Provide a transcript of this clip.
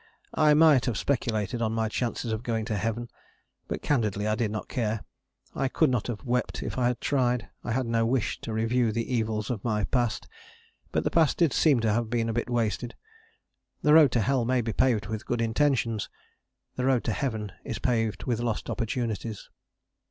I might have speculated on my chances of going to Heaven; but candidly I did not care. I could not have wept if I had tried. I had no wish to review the evils of my past. But the past did seem to have been a bit wasted. The road to Hell may be paved with good intentions: the road to Heaven is paved with lost opportunities.